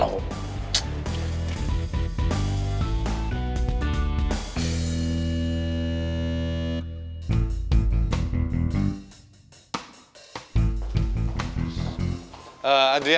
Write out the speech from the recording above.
banku update dirinya